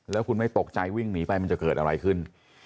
แล้วคุณไม่ตกใจวิ่งหนีไปมันจะเกิดอะไรขึ้น